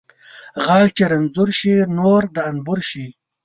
غاښ چې رنځور شي ، نور د انبور شي .